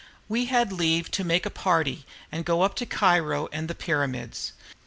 We had leave to make a party and go up to Cairo and the Pyramids.